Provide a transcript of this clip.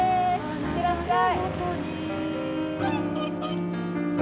いってらっしゃい！